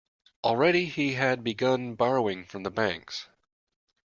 Already he had begun borrowing from the banks.